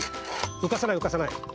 うかさないうかさない。